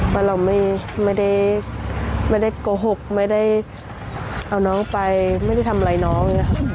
ว่าเราไม่ได้โกหกไม่ได้เอาน้องไปไม่ได้ทำอะไรน้อง